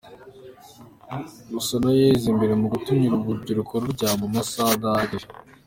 Gusa nayo iza imbere mu gutuma urubyiruko ruryama amasaha adahagije.